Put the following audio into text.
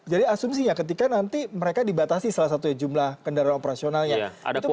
jadi asumsinya ketika nanti mereka dibatasi salah satunya jumlah kendaraan operasionalnya